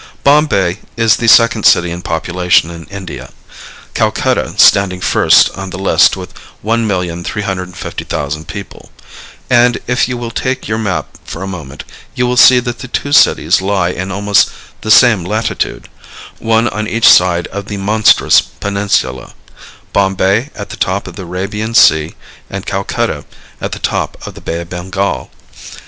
Bombay is the second city in population in India, Calcutta standing first on the list with 1,350,000 people, and, if you will take your map for a moment, you will see that the two cities lie in almost the same latitude, one on each side of the monstrous peninsula Bombay at the top of the Arabian Sea and Calcutta at the top of the Bay of Bengal.